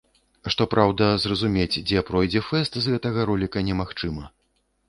Што праўда, зразумець, дзе пройдзе фэст, з гэтага роліка немагчыма.